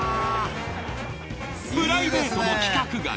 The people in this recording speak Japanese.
プライベートも規格外。